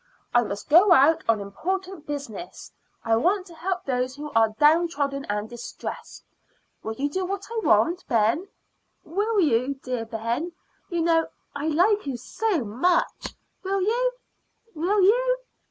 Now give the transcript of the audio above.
I must go out on important business. I want to help those who are down trodden and distressed. Will you do what I want, Ben will you, dear Ben? You know I like you so much. Will you will you?"